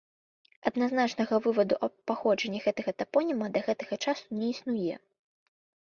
Адназначнага вываду аб паходжанні гэтага тапоніма да гэтага часу не існуе.